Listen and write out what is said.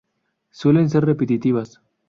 Suelen ser repetitivas.